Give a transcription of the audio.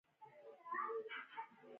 هغه وویل: که دي خوښه نه وي، مه يې راته وایه.